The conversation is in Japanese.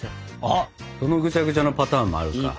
あそのぐちゃぐちゃのパターンもあるか。